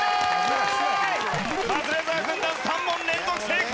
カズレーザー軍団３問連続正解！